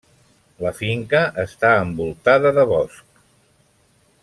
La finca està envoltada de bosc.